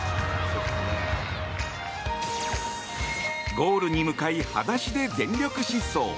ゴールに向かい裸足で全力疾走。